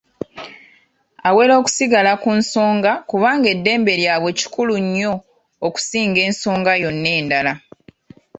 Awera okusigala ku nsonga kubanga eddembe lyabwe kikulu nnyo okusinga ensonga yonna endala.